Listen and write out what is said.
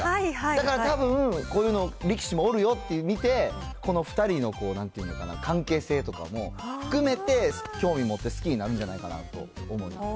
だからたぶん、こういうの、力士もおるよっていうのを見て、この２人のなんていうのかな、関係性とかも含めて、興味持って、好きになるんじゃないかなと思います。